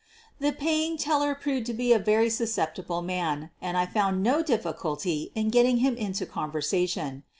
The paying teller proved to be a very susceptible man, and I found no difficulty in getting him into conversation.